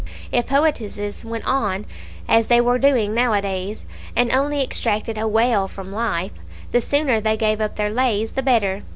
If poetesses went on as they were doing now a days, and only extracted a wail from life, the sooner they gave up their lays the better.